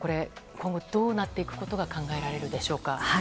今後どうなっていくことが考えられるでしょうか。